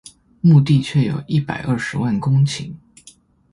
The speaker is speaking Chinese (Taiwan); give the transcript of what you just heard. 牧地卻有一百二十萬公頃